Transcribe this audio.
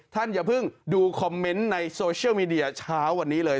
อย่าเพิ่งดูคอมเมนต์ในโซเชียลมีเดียเช้าวันนี้เลย